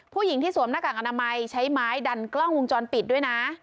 ผู้หญิงที่สวมหน้ากากอนามัยใช้ไม้ดันกล้องวงจรปิดด้วยนะ